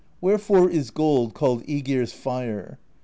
Wherefore is gold called ^gir's Fire?